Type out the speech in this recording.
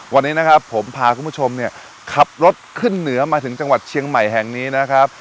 วันนี้นะครับผมพาคุณผู้ชมเนี่ยขับรถขึ้นเหนือมาถึงจังหวัดเชียงใหม่แห่งนี้นะครับ